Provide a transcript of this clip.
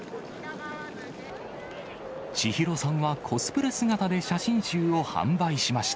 千尋さんはコスプレ姿で写真集を販売しました。